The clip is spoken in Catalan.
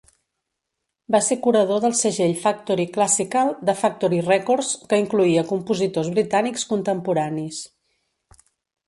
Va ser curador del segell Factory Classical de Factory Records, que incloïa compositors britànics contemporanis.